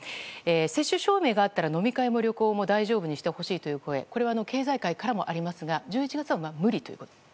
接種証明があったら飲み会も旅行も大丈夫にしてほしいという声経済界からもありますが１１月は無理ということですかね？